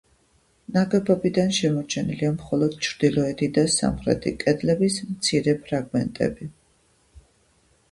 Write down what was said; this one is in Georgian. ნაგებობიდან შემორჩენილია მხოლოდ ჩრდილოეთი და სამხრეთი კედლების მცირე ფრაგმენტები.